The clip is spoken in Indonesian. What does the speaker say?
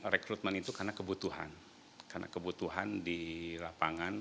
rekrutmen itu karena kebutuhan karena kebutuhan di lapangan